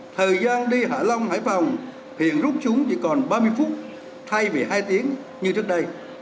thời gian đi hạ long hải phòng hiện rút xuống chỉ còn ba mươi phút thay vì hai tiếng như trước đây